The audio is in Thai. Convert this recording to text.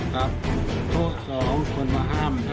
ครับโชว์สองคนมาห้าม